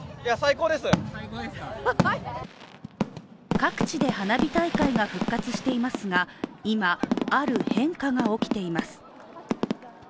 各地で花火大会が復活していますが今、ある変化が起きています。